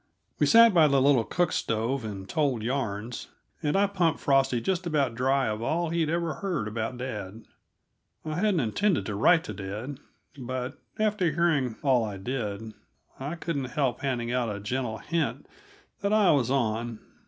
We sat by the little cook stove and told yarns, and I pumped Frosty just about dry of all he'd ever heard about dad. I hadn't intended to write to dad, but, after hearing all I did, I couldn't help handing out a gentle hint that I was on.